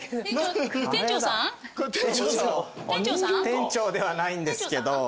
店長ではないんですけど。